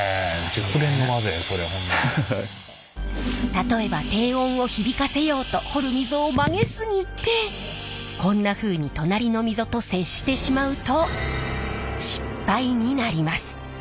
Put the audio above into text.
例えば低音を響かせようと彫る溝を曲げ過ぎてこんなふうに隣の溝と接してしまうと失敗になります。